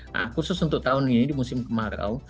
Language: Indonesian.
nah khusus untuk tahun ini di musim kemarau